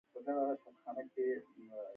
پیاز د انفلاسیون مخه نیسي